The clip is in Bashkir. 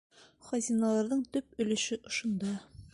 «Хазиналарҙың төп өлөшө ошонда».